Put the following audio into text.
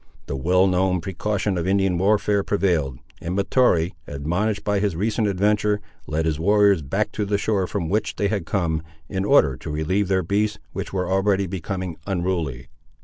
The well known precaution of Indian warfare prevailed, and Mahtoree, admonished by his recent adventure, led his warriors back to the shore from which they had come, in order to relieve their beasts, which were already becoming unruly.